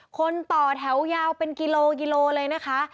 คนต่อแถวยาวเป็นกิโลกิโลเลยนะคะ